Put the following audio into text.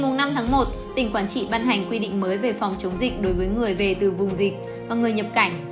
ngày năm tháng một tỉnh quản trị ban hành quy định mới về phòng chống dịch đối với người về từ vùng dịch và người nhập cảnh